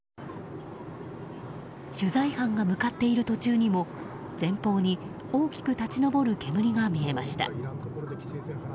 取材班が向かっている途中にも前方に大きく立ち上る煙が見えました。